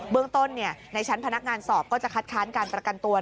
เรื่องต้นในชั้นพนักงานสอบก็จะคัดค้านการประกันตัว